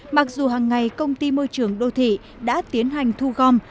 mặc dù hàng ngày công ty môi trường đô thị đã tiến hành thu gom